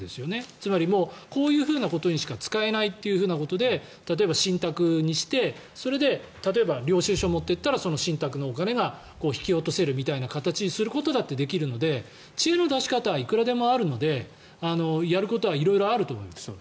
つまり、こういうことにしか使えないということで例えば信託にしてそれで例えば領収書を持っていったらその信託のお金が引き落とせるみたいな形にすることだってできるので知恵の出し方はいくらでもあるのでやることは色々あると思います。